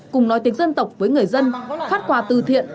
cùng nói tiếng dân tộc với người dân phát quà từ thiện